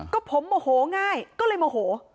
ก็ผมโมโหง่ายก็เลยโมโห